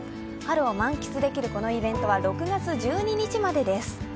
春を満喫できるこのイベントは６月１２日までです。